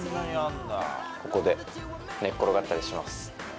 ここで寝っ転がったりします。